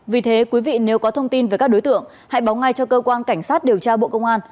vì thế quý vị nếu có thông tin về các đối tượng hãy báo ngay cho cơ quan cảnh sát điều tra bộ công an